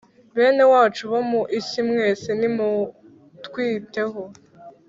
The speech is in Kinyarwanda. Bene wacu bo mu isi mwese nimutwiteho